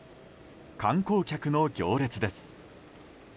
観光客の行列です。